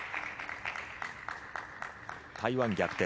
台湾、逆転。